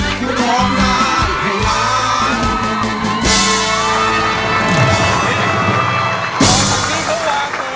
เป็นเพลงเก่งของคุณเต้เองนะครับ